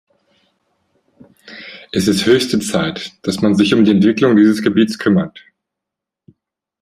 Es ist höchste Zeit, dass man sich um die Entwicklung dieses Gebietes kümmert.